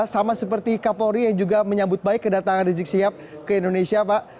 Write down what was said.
sama seperti kapolri yang juga menyambut baik kedatangan rizik sihab ke indonesia pak